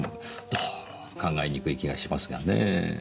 どうも考えにくい気がしますがねぇ。